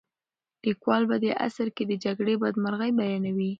لیکوال په دې اثر کې د جګړې بدمرغۍ بیانوي.